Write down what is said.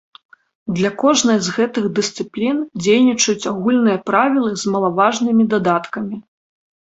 Для кожнай з гэтых дысцыплін дзейнічаюць агульныя правілы з малаважнымі дадаткамі.